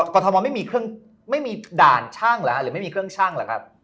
กรทมไม่มีเครื่องไม่มีด่านช่างเหรอฮะหรือไม่มีเครื่องชั่งหรือครับ